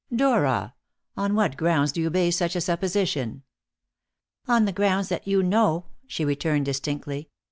"Dora! On what grounds do you base such a supposition?" "On the grounds that you know," she returned distinctly.